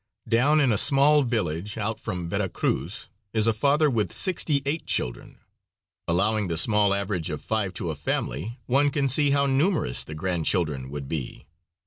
Down in a small village, out from Vera Cruz, is a father with sixty eight children. Allowing the small average of five to a family, one can see how numerous the grandchildren would be.